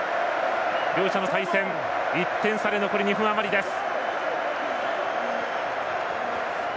両者の対戦、１点差で残り２分あまりです。